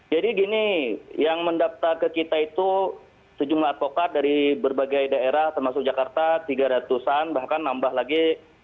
jadi gini yang mendapta ke kita itu sejumlah advokat dari berbagai daerah termasuk jakarta tiga ratusan bahkan nambah lagi